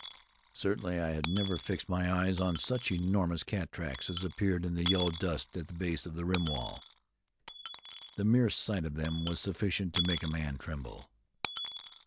Certainly I had never fixed my eyes on such enormous cat tracks as appeared in the yellow dust at the base of the rim wall. The mere sight of them was sufficient to make a man tremble.